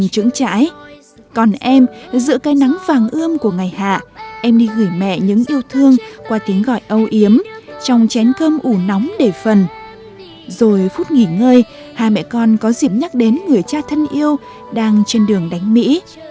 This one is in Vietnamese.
trước nghỉ ngơi hai mẹ con có dịp nhắc đến người cha thân yêu đang trên đường đánh mỹ